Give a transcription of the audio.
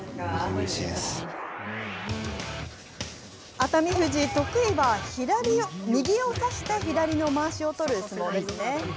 熱海富士、得意は右を差して左のまわしをとる相撲ですね。